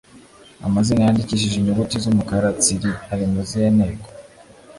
amazina yandikishije inyuguti z’umukara tsiri ari mu zihe nteko?